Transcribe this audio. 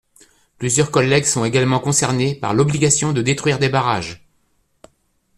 Plusieurs collègues sont également concernés par l’obligation de détruire des barrages.